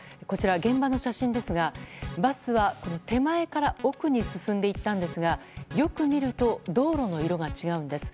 現場の写真ですが、バスはこの手前から奥に進んでいったんですがよく見ると道路の色が違うんです。